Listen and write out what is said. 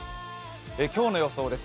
今日の予想です。